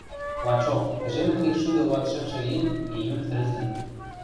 — Лачок, тӹжем ӹндекшшӱдӹ луатшӹмшӹ ин июль тӹлзӹн